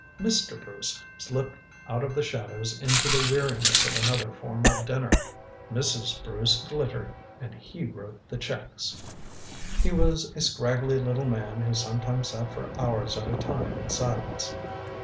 Mr. Bruce slipped out of the shadows into the weariness of another formal dinner. Mrs. Bruce glittered, and he wrote the checks. He was a scraggly little man who sometimes sat for hours at a time in silence.